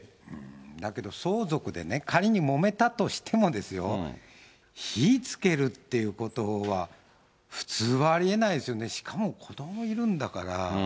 だけど相続でね、仮にもめたとしてもですよ、火つけるってことは、普通はありえないですよね、しかも子どもいるんだから。